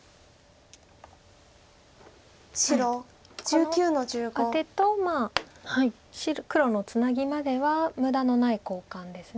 このアテと黒のツナギまでは無駄のない交換です。